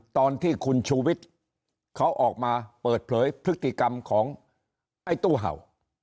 ตอนที่คุณชูวิทย์เขาออกมาเปิดเผยพฤติกรรมของไอ้ตู้เห่า